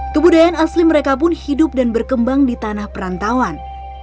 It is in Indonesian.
kebudayaan asli mereka pun hidup dan berkembang di tanah perantauan